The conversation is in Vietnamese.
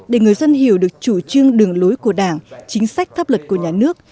để người dân hiểu được chủ trương đường lối của đảng chính sách thấp lực của nhà nước